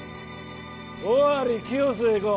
尾張清須へ行こう。